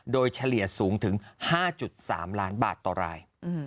โดยเฉลี่ยสูงถึง๕๓ล้านบาทต่อราย